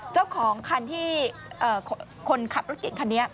เจ้าของคันที่คนขับรถเก่งคันนี้